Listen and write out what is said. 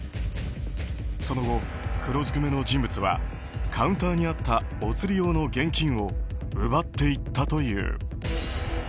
その後、黒ずくめの人物はカウンターにあったおつり用の現金を奪っていったという。